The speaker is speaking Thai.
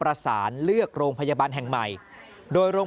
เพราะว่าเราอยู่ในเครือโรงพยาบาลกรุงเทพฯนี่ก็เป็นในระดับโลก